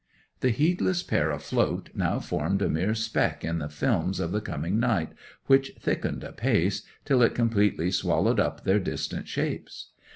'The heedless pair afloat now formed a mere speck in the films of the coming night, which thickened apace, till it completely swallowed up their distant shapes.